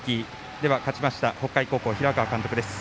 では、勝ちました北海高校平川監督です。